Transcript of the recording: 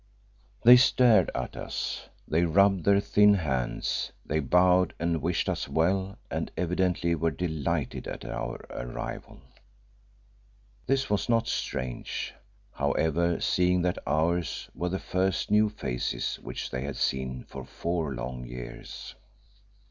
They stared at us, they rubbed their thin hands, they bowed and wished us well and evidently were delighted at our arrival. This was not strange, however, seeing that ours were the first new faces which they had seen for four long years.